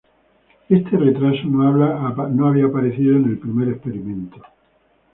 Este retraso no había aparecido en el primer experimento.